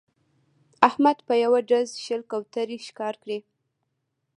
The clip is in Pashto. احمد په یوه ډز شل کوترې ښکار کړې